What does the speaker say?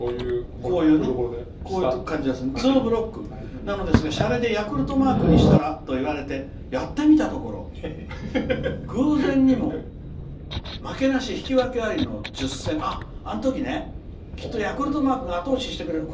なのですが、しゃれでヤクルトマークにしたら？と言われ、やってみたところ偶然にも、負けなし引き分けありの１０戦。きっと、ヤクルトマークが後押ししてくれた。